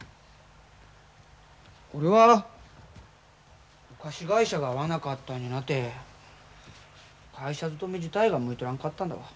俺はお菓子会社が合わなかったんじゃなくて会社勤め自体が向いとらんかったんだわ。